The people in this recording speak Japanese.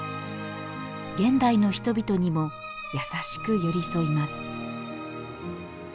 現代の人々にも優しく寄り添います。